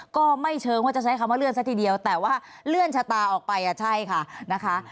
ก็ไม่เชิงว่าจะใช้คำว่าเลื่อนซะทีเดียวแต่ว่าเลื่อนชะตาออกไปใช่ค่ะนะคะ